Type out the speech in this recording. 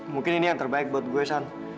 mungkin ini yang terbaik buat gue ishan